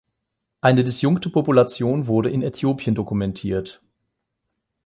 Eine disjunkte Population wurde in Äthiopien dokumentiert.